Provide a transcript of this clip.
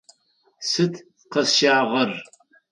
Сыд къэсщагъэр?